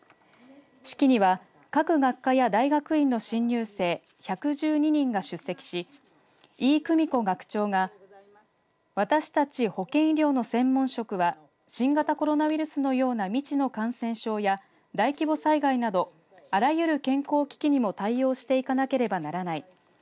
式には各学科や大学院の新入生１１２人が出席し井伊久美子学長が私たち保健医療の専門職は新型コロナウイルスのような未知の感染症や大規模災害などあらゆる健康危機にも対応していかなければならない。